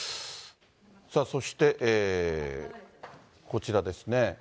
そして、こちらですね。